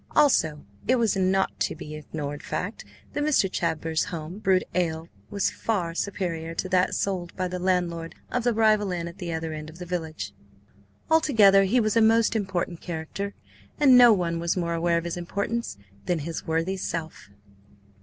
Also, it was a not to be ignored fact that Mr. Chadber's home brewed ale was far superior to that sold by the landlord of the rival inn at the other end of the village. Altogether he was a most important character, and no one was more aware of his importance than his worthy self.